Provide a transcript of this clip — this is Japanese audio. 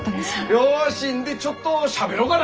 よしんでちょっとしゃべろうがな。